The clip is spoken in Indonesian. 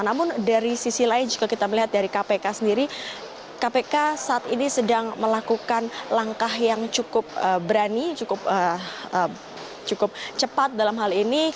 namun dari sisi lain jika kita melihat dari kpk sendiri kpk saat ini sedang melakukan langkah yang cukup berani cukup cepat dalam hal ini